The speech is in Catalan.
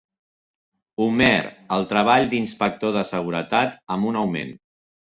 Homer el treball d'Inspector de Seguretat, amb un augment.